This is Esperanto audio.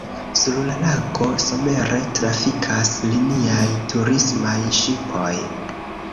Sur la lago somere trafikas liniaj turismaj ŝipoj.